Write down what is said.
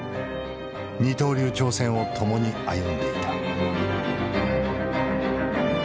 二刀流挑戦を共に歩んでいた。